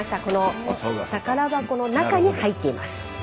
この宝箱の中に入っています。